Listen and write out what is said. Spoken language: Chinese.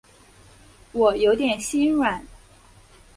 我有点心软